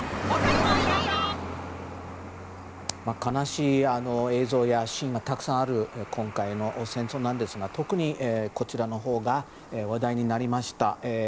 悲しい映像やシーンがたくさんある今回の戦争なんですが特に、こちらのほうが話題になりました。